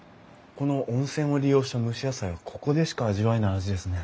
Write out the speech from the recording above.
この温泉を利用した蒸し野菜はここでしか味わえない味ですね。